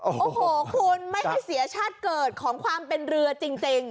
โอ้โหคุณไม่ให้เสียชาติเกิดของความเป็นเรือจริง